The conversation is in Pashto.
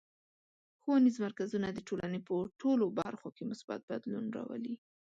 ښوونیز مرکزونه د ټولنې په ټولو برخو کې مثبت بدلون راولي.